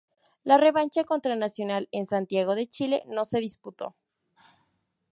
La revancha contra Nacional en Santiago de Chile no se disputó.